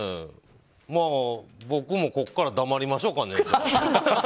僕もここから黙りましょうかね。